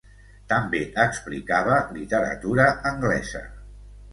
També explicava literatura anglesa.